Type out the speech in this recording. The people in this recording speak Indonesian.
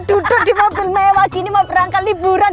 duduk di mobil mewah beneran perang kapal liburan